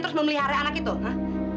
terus memelihara anak itu nah